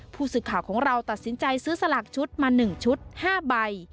ผู้สื่อข่าวของเราตัดสินใจซื้อสลากชุดมา๑ชุด๕ใบ